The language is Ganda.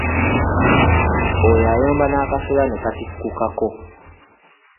Oyo ayomba n'akasolya ne katikkukako.